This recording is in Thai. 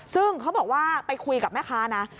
ซึ่งเขาบอกว่าไปคุยกับแม่ค้านะ